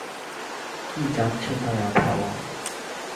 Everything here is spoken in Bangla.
কী যাচ্ছেতাই আবহাওয়া।